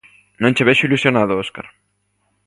_Non che vexo ilusionado, Óscar.